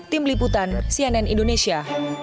tim liputan cnn indonesia